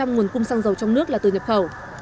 bảy mươi nguồn cung xăng dầu trong nước là từ nhập khẩu